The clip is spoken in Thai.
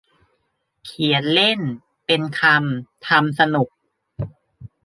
เขียนเล่น เป็นคำ ทำสนุก